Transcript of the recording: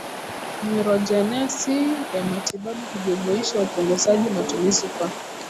Nyurojenesi ya matibabu hujumuisha upunguzaji matumizi kwa